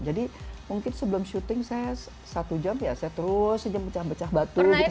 jadi mungkin sebelum syuting saya satu jam ya saya terus sejam pecah pecah batu gitu